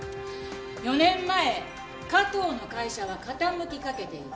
４年前加藤の会社は傾きかけていた。